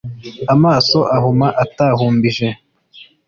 Amaso ahuma atahumbije